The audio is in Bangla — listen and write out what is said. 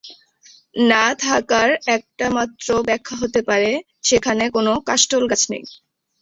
না থাকার একটামাত্র ব্যাখ্যা হতে পারে সেখানে কোন কাষ্ঠলগাছ নেই।